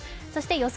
予想